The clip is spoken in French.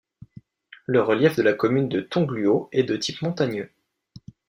Le relief de la commune de Tongluo est de type montagneux.